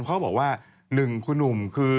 เขาบอกว่า๑คุณหนุ่มคือ